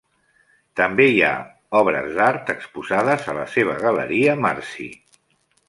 També hi ha obres d'art exposades a la seva galeria Marsi.